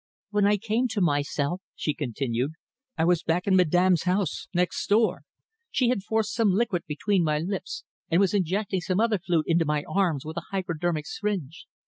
"When I came to myself," she continued, "I was back in Madame's house next door. She had forced some liquid between my lips, and was injecting some other fluid into my arms with a hypodermic syringe.